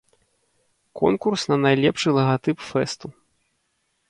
Конкурс на найлепшы лагатып фэсту.